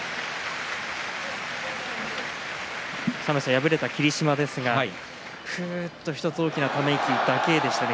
敗れた霧島ですがふうっと１つ大きなため息だけでしたね。